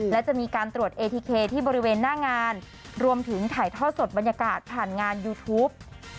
และจะมีการตรวจเอทีเคที่บริเวณหน้างานรวมถึงถ่ายท่อสดบรรยากาศผ่านงานยูทูป